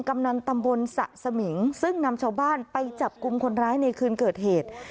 กำนันตำบลสะสมิงซึ่งนำชาวบ้านไปจับกลุ่มคนร้ายในคืนเกิดเหตุ